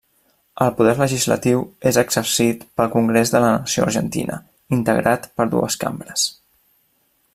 El poder legislatiu és exercit pel Congrés de la Nació Argentina, integrat per dues cambres.